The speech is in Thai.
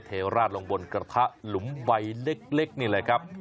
เทราดลงบนกระทะหลุมใบเล็กนี่แหละครับ